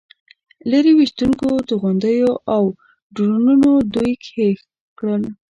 لرې ویشتونکو توغندیو او ډرونونو دوی هېښ کړل.